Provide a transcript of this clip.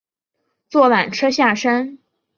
坐缆车下山